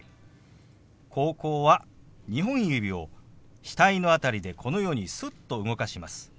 「高校」は２本指を額の辺りでこのようにすっと動かします。